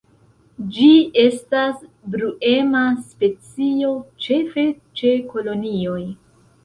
Ĝi estas bruema specio, ĉefe ĉe kolonioj.